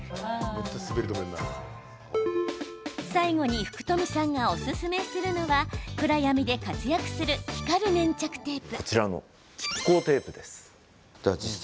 最後に、福冨さんがおすすめするのは暗闇で活躍する、光る粘着テープ。